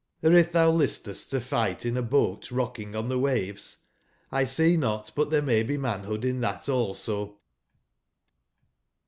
Or if thou lis test to fight in a boat rocking on the waves, Isec not but there may be manhood in tbat also.